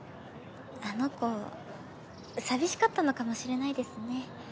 あの子寂しかったのかもしれないですね。